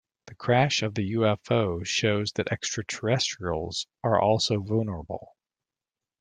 The crash of the UFO shows that extraterrestrials are also vulnerable.